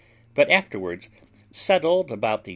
but afterwards settled about the N.